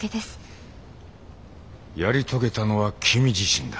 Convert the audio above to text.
やり遂げたのは君自身だ。